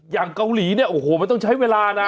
อย่างเกาหลีเนี่ยโอ้โหมันต้องใช้เวลานะ